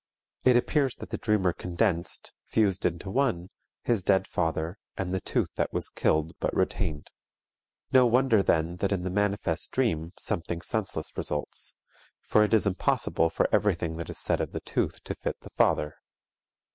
It appears that the dreamer condensed, fused into one, his dead father and the tooth that was killed but retained. No wonder then, that in the manifest dream something senseless results, for it is impossible for everything that is said of the tooth to fit the father.